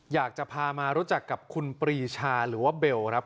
อยากจะพามารู้จักกับคุณปรีชาหรือว่าเบลครับ